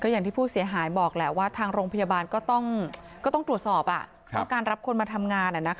อย่างที่ผู้เสียหายบอกแหละว่าทางโรงพยาบาลก็ต้องตรวจสอบต้องการรับคนมาทำงาน